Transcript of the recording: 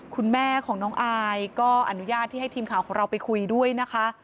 คุณแม่ของน้องอายก็อนุญาตที่ให้ทีมข่าวของเราไปคุยด้วยนะคะ